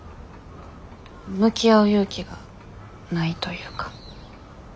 向き合う勇気がないというか。